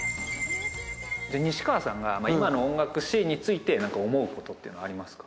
西川さんが今の音楽シーンについて何か思うことっていうのはありますか？